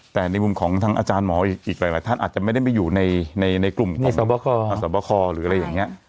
แต่ในมุมของทางอาจารย์หมออีกหลายท่านอาจจะไม่ได้ไปอยู่ในกลุ่มอสวบคหรืออะไรอย่างนี้